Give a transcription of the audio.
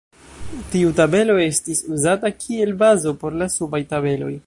Tiu tabelo estis uzata kiel bazo por la subaj tabeloj.